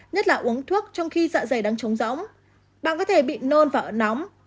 nhất là uống thuốc trong khi dạ dày đang trống rỗng bạn có thể bị nôn và ấm nóng